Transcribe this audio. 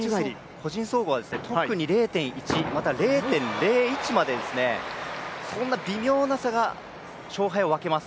個人総合は特に０．１、０．０１まで、そんな微妙なさが勝敗を分けます。